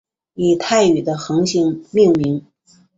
以泰语的恒星命名。